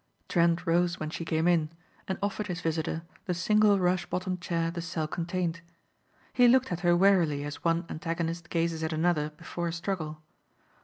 Trent rose when she came in and offered his visitor the single rush bottomed chair the cell contained. He looked at her warily as one antagonist gazes at another before a struggle.